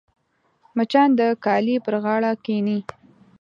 مچان د کالي پر غاړه کښېني